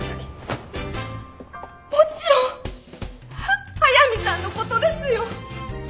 もちろん速見さんのことですよ！